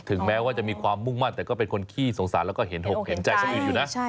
แม้ว่าจะมีความมุ่งมั่นแต่ก็เป็นคนขี้สงสารแล้วก็เห็นอกเห็นใจคนอื่นอยู่นะ